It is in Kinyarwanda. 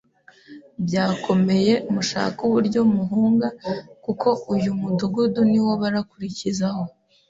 byakomeye mushake uburyo muhunga kuko uyu mudugudu ni wo barakurikizaho